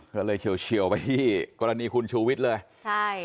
ก็เลยเฉียวไปที่กรณีคุณชูวิทย์เลยใช่